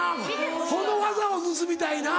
この技を盗みたいな。